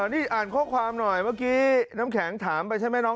นี่อ่านข้อความหน่อยเมื่อกี้น้ำแข็งถามไปใช่ไหมน้อง